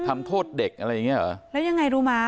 ทำโทษเด็กอะไรอย่างเงี้เหรอแล้วยังไงรู้มั้